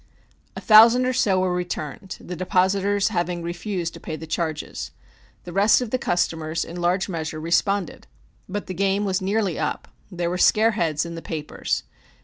A thousand or so were returned, the depositors having refused to pay the charges. The rest of the customers in large measure responded. But the game was nearly up. There were scare heads in the papers.